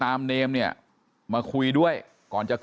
ไปรับศพของเนมมาตั้งบำเพ็ญกุศลที่วัดสิงคูยางอเภอโคกสำโรงนะครับ